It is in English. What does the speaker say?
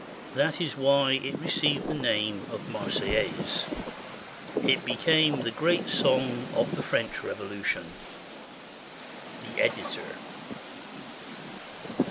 That is why it received the name of "Marseillaise." It became the great song of the French Revolution. The Editor.